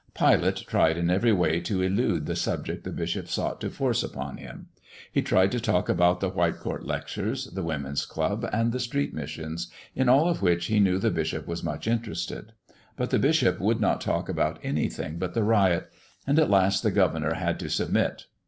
Pilate tried in every way to elude the subject the bishop sought to force upon him. He tried to talk about the Whitecourt lectures, the Women's Club, and the street missions, in all of which he knew the bishop was much interested. But the bishop would not talk about anything but the riot, and at last the governor had to submit.